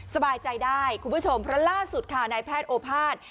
สบายใจได้คุณผู้ชมเพราะล่าสุดค่ะนายแพทย์โอภาษย์